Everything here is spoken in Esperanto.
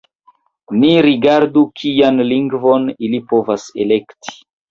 Ni rigardu, kian lingvon ili povas elekti.